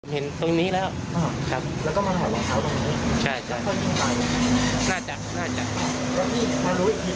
เห็นตรงนี้แล้วครับแล้วก็มาถ่ายหวังเขาตรงนี้ใช่ผมวิ่งตายต้นนี่